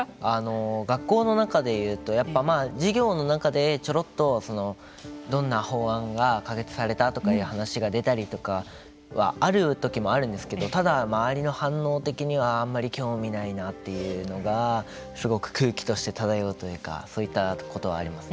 学校の中で言うとやっぱり授業の中でちょろっとどんな法案が可決されたとかという話が出たりとかはあるときもあるんですけれどもただ、周りの反応的にはあんまり興味がないなというのがすごく空気として漂うというかそういったことはあります。